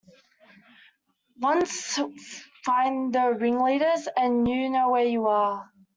Once find the ringleaders, and you know where you are.